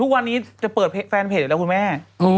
ทุกวันนี้จะเปิดแฟนเพจอยู่แล้วคุณแม่